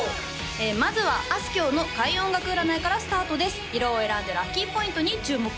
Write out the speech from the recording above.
まずはあすきょうの開運音楽占いからスタートです色を選んでラッキーポイントに注目！